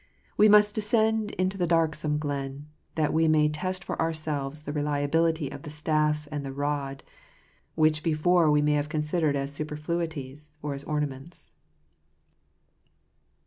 We must descend into the darksome glen, that we may test for ourselves the reliability of the staff and the rod, which before we may have considered as superfluities or as ornaments.